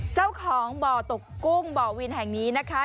เจ้าของบ่อตกกุ้งบ่อวินแห่งนี้นะคะ